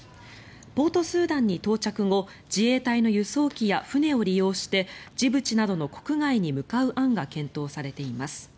ポート・スーダンに到着後自衛隊の輸送機や船を利用してジブチなどの国外に向かう案が検討されています。